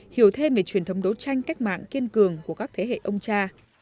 hiểu thêm về truyền thống đấu tranh cách mạng kiên cường của các thế hệ ông cha